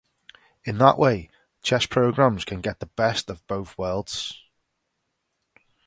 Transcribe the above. In that way Chess programs can get the best of both worlds.